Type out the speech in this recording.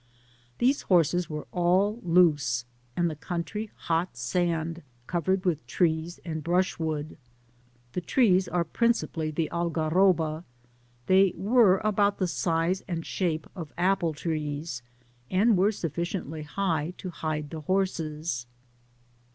These horses w«re all loose"; and the country hot sand, covered with trees and brushwood. The trees afe princi pally the Algarroba ; they were about the size and shape of apple trees, and were sufficiently high to hide the horses.